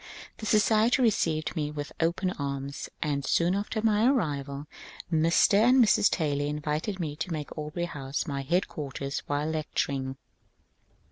This society received me with open arms, and soon after my arrival Mr. and Mrs. Taylor invited me to make Aubrey House my headquarters while lecturing.